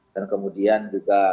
dan kemudian juga